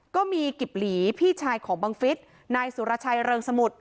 ก็มีกิบหลีพี่ชายของบังฟิศนายสุรชัยเริงสมุทร